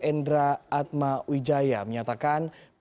endra atma wijaya menyatakan